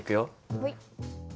はい。